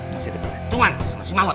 masih diberhentungan sama si mamot